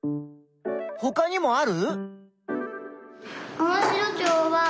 ほかにもある？